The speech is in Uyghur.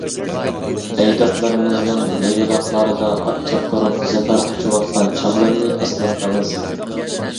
ئەجدادلىرىمىزنىڭ يايلاقلاردا ئات چاپتۇرۇپ، زەپەر قۇچۇۋاتقان چاغلىرىنى ئەسلەتتىڭىز.